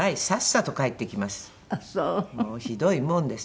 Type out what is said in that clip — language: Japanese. もうひどいもんです。